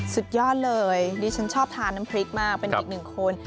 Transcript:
สุดยอดเลยดิฉันชอบทานน้ำพริกมากเป็นอีกหนึ่งคน